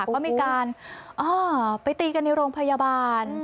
เขามีการไปตีกันในโรงพยาบาล